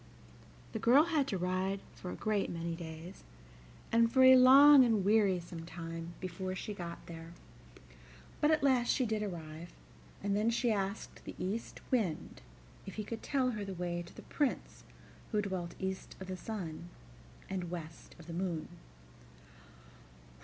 The girl had to ride for a great many days, and for a long and wearisome time, before she got there; but at last she did arrive, and then she asked the East Wind if he could tell her the way to the Prince who dwelt east of the sun and west of the moon.